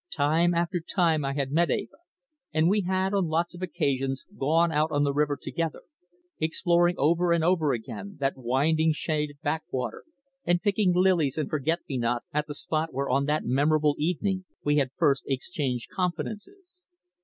Time after time I had met Eva, and we had on lots of occasions gone out on the river together, exploring over and over again that winding shaded backwater, and picking lilies and forget me nots at the spot where on that memorable evening we had first exchanged confidences.